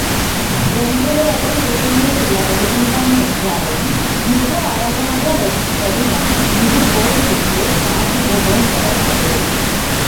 ஒன்றரை அடி உயரமே உள்ள வடிவம்தான் என்றாலும் மிக்க அழகான வடிவம் இங்கு கோயிலுக்கு ராஜ கோபுரம் கிடையாது.